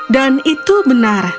dan itu benar